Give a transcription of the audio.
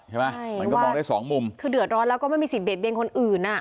ใช่ไหมใช่มันก็มองได้สองมุมคือเดือดร้อนแล้วก็ไม่มีสิทธิเดทเบียนคนอื่นอ่ะ